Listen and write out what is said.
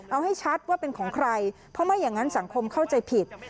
เอาให้ชัดว่าเป็นของใครเพราะไม่อย่างนั้นสังคมเข้าใจผิด